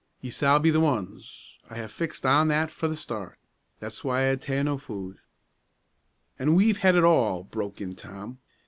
Ye s'all be the ones. I ha' fixed on that fra the start. That's why I ha' ta'en no food." "An' we've had it all!" broke in Tom.